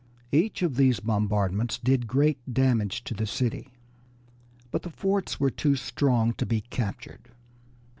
Each of these bombardments did great damage to the city, but the forts were too strong to be captured.